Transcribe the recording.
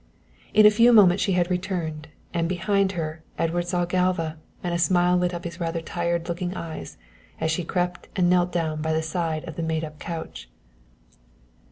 In a few moments she had returned, and behind her, Edward saw Galva, and a smile lit up his rather tired looking eyes as she crept and knelt down by the side of the made up couch.